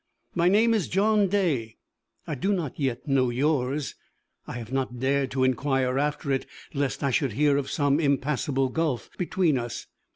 "My name is John Day; I do not yet know yours. I have not dared to inquire after it, lest I should hear of some impassable gulf between us.